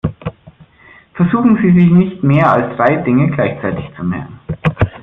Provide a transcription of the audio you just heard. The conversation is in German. Versuchen Sie sich nicht mehr als drei Dinge gleichzeitig zu merken.